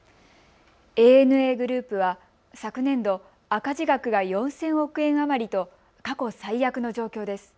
ＡＮＡグループは昨年度、赤字額が４０００億円余りと過去最悪の状況です。